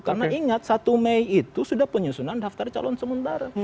karena ingat satu mei itu sudah penyusunan daftar calon sementara